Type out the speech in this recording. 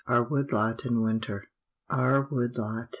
OUR WOOD LOT IN WINTER. Our wood lot!